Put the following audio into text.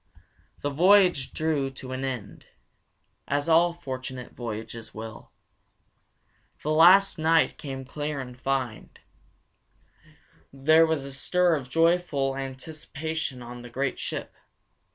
The voyage drew to an end, as all fortunate voyages will. The last night came clear and fine. There was a stir of joyful anticipation on the great ship.